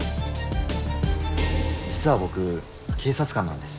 実は僕警察官なんです。